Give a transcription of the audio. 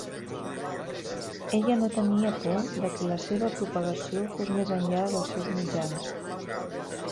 Ella no tenia por de que la seva propagació fos més enllà dels seus mitjans.